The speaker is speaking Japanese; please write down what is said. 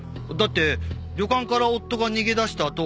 だって旅館から夫が逃げ出した